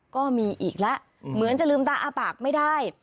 ก็มีอีกแล้วเหมือนจะลืมตาอ้าปากไม่ได้